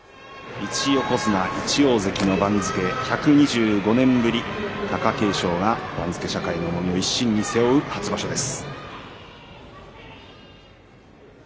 １横綱１大関の番付、１２５年ぶり、貴景勝が番付社会の重みを一身に背負う初場所です。